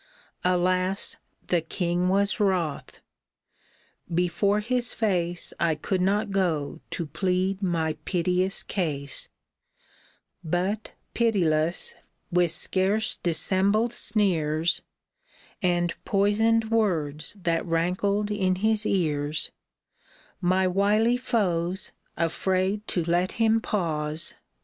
Alas ! the king was wroth. Before his face I could not go to plead my piteous case ; But, pitiless, with scarce dissembled sneers, And poisoned words that rankled in his ears, My wily foes, afraid to let him pause.